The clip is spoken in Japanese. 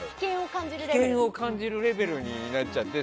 危険を感じるレベルになっちゃって。